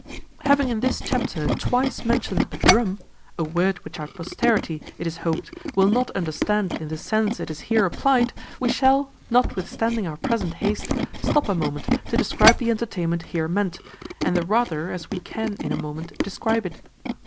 Having in this chapter twice mentioned a drum, a word which our posterity, it is hoped, will not understand in the sense it is here applied, we shall, notwithstanding our present haste, stop a moment to describe the entertainment here meant, and the rather as we can in a moment describe it.